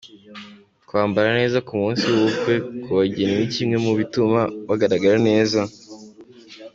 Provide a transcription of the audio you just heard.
Kwambara neza ku munsi w’ubukwe ku bageni ni kimwe mu bituma bugaragara neza.